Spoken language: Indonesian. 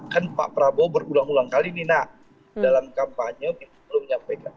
kan pak prabowo berulang ulang kali ini nak dalam kampanye belum menyampaikan